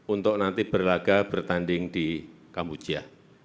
untuk nanti berlaga bertanding di kamboja